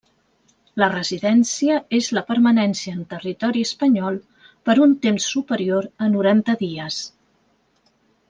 La residència és la permanència en territori espanyol per un temps superior a noranta dies.